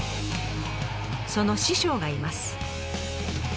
その師匠がいます。